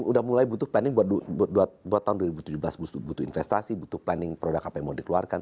udah mulai butuh planning buat tahun dua ribu tujuh belas butuh investasi butuh planning produk apa yang mau dikeluarkan